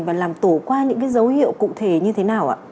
và làm tổ qua những cái dấu hiệu cụ thể như thế nào ạ